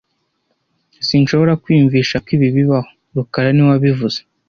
Sinshobora kwiyumvisha ko ibi bibaho rukara niwe wabivuze